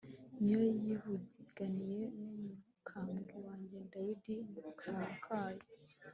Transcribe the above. ni yo yivuganiye n'umukambwe wanjye dawidi mu kanwa kayo